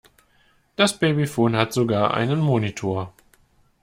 Das Babyphone hat sogar einen Monitor.